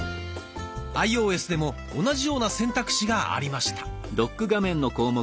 アイオーエスでも同じような選択肢がありました。